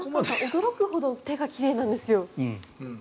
驚くほど手が奇麗なんですよ。